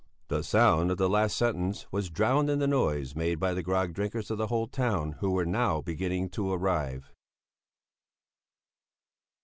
'" The sound of the last sentence was drowned in the noise made by the grog drinkers of the whole town who were now beginning to arrive.